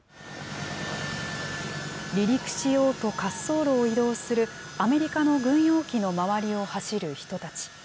離陸しようと滑走路を移動する、アメリカの軍用機の周りを走る人たち。